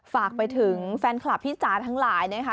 ฝากไปถึงแฟนคลับพี่จ๋าทั้งหลายนะคะ